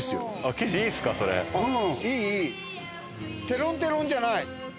テロンテロンじゃない。